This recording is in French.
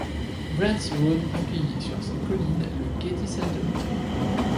Brentwood accueille, sur ses collines, le Getty Center.